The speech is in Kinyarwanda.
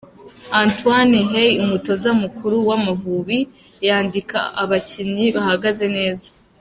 Antoine Hey umutoza mukuru w'Amavubi yandika abakinnyi bahagaze neza.